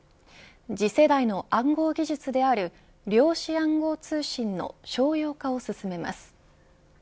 次世代の暗号技術である量子暗号通信の商用化を進めます。